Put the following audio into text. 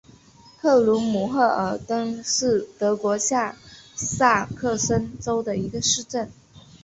克鲁姆赫尔恩是德国下萨克森州的一个市镇。